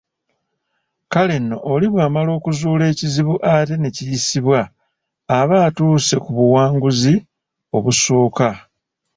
Kale nno oli bw’amala okuzuula ekizibu ate ne kiyisibwa, aba atuuse ku buwanguzi obusooka.